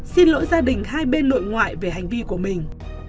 xin lỗi gia đình hai bên nội ngoại về hành vi của mình